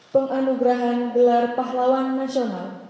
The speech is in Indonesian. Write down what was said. penganugerahan gelar pahlawan nasional